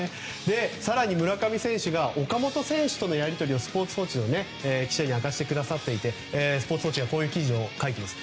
更に村上選手が岡本選手とのやり取りをスポーツ報知の記者に明かしてくださっていてスポーツ報知がこういう記事を書いています。